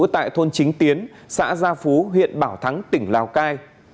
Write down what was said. tại thôn chính tiến xã gia phú huyện bảo thắng tỉnh lào cai